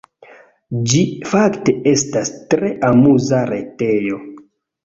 Ĝi fakte estas tre amuza retejo.